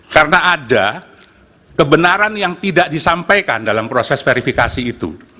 karena ada kebenaran yang tidak disampaikan dalam proses verifikasi itu